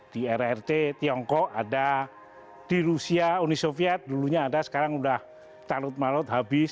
di rrt tiongkok ada di rusia uni soviet dulunya ada sekarang sudah tarut marut habis